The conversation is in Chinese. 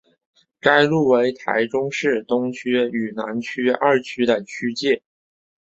该路为台中市东区与南区二区的区界。